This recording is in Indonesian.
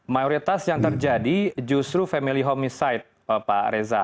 mayoritas yang terjadi justru family homecide pak reza